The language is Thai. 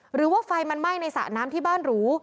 หรือว่าไฟมันไหม้ในสระน้ำที่บ้านหรู